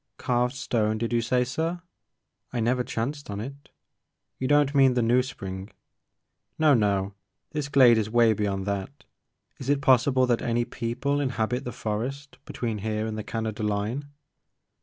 "Carved stone did you say sir? I never chanced on it. You don't mean the New ! Spring "No, no ! This glade is way beyond that. Is I it possible that any people inhabit the forest be tween here and the Canada line